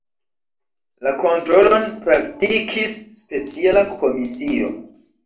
La kontrolon praktikis speciala komisio.